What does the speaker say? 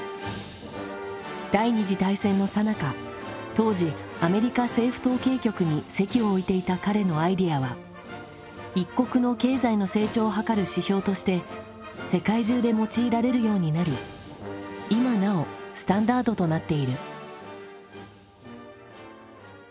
第２次大戦のさなか当時アメリカ政府統計局に籍を置いていた彼のアイデアは一国の経済の成長を測る指標として世界中で用いられるようになり今なおスタンダードとなっている。